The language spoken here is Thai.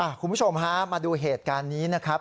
คุณผู้ชมฮะมาดูเหตุการณ์นี้นะครับ